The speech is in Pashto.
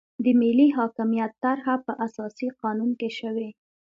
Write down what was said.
د ملي حاکمیت طرحه په اساسي قانون کې شوې.